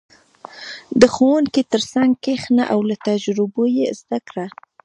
• د ښوونکي تر څنګ کښېنه او له تجربو یې زده کړه.